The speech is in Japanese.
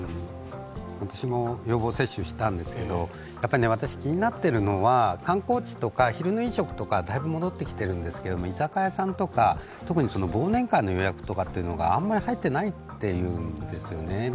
私も予防接種したんですけど、私、気になってるのは、観光地とか昼の飲食とかだいぶ戻ってきているんですけれども、居酒屋さんとか、忘年会の予約があまり入ってないというんですよね。